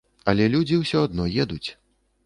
Але людзі ўсё адно едуць.